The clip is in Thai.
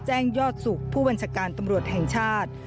แจ้งยอดสุขผู้บัญชาการตำรวจแห่งชาติ